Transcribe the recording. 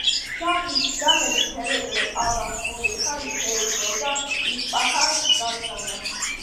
შაჰის ბრძანებით ერეკლემ აბას ყული-ხანი შეიპყრო და ისპაჰანს გაგზავნა.